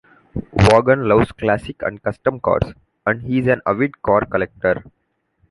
Vaughan loves classic and custom cars, and is an avid car collector.